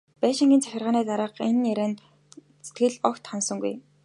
Байшингийн захиргааны дарга энэ ярианд сэтгэл огт ханасангүй.